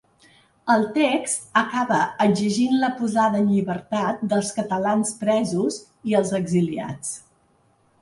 El text acaba exigint la posada en llibertat dels catalans presos i els exiliats.